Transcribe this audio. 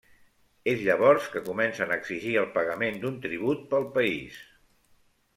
És llavors que comencen a exigir el pagament d'un tribut pel país.